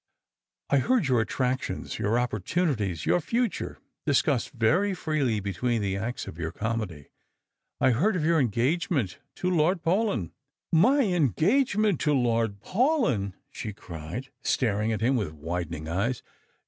" I heard your attractions, your opportunities, your future, discussed very freely between the acts of your comedy. I heard of your engagement to Lord Paulyn." "My engagement to Lord Paulyn !" she cried, staring at him with widening eyes.